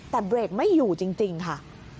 แต่เบรกไม่อยู่จริงค่ะ